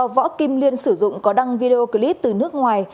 võ kim liên sử dụng có đăng video clip từ nước ngoài